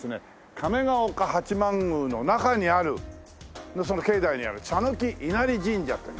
亀岡八幡宮の中にあるその境内にある茶ノ木稲荷神社という。